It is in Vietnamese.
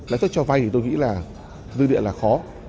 lãi suất cho vay thì tôi nghĩ là dư địa là khó